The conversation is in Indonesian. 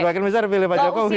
sebagian besar pilih pak jokowi